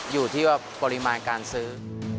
อยู่ที่ว่าปริมาณการซื้อ